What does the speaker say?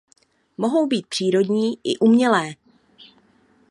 Mohou být přírodní i umělé.